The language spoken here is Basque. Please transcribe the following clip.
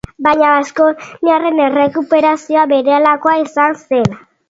Baina baskoniarren errekuperazioa berehalakoa izan zen.